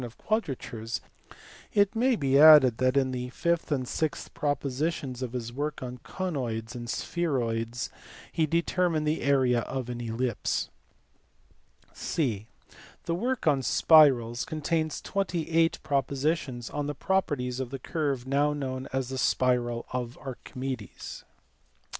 71 added that in the fifth and sixth propositions of his work on conoids and spheroids he determined the area of an ellipse/^ (c) The work on Spirals contains twenty eight proposi tions on the properties of the curve now known as the spiral of Archimedes.